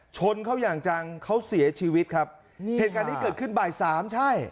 ชนเขาอย่างจังเขาเสียชีวิตครับเหตุการณ์นี้เกิดขึ้นบ่ายสามใช่